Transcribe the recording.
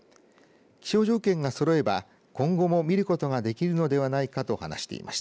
気象条件がそろえば今後も見ることができるのではないかと話しています。